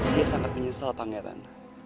dia sangat menyesal pangeran